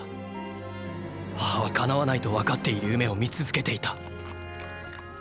母は叶わないとわかっている夢を見続けていた。